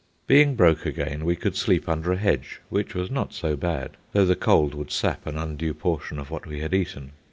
Being broke again, we could sleep under a hedge, which was not so bad, though the cold would sap an undue portion of what we had eaten.